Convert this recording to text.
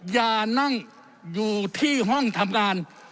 อย่านั่งอยู่ที่ห้องทำงาน